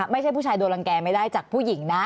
ไม่ใช่ผู้ชายโดนรังแก่ไม่ได้จากผู้หญิงนะ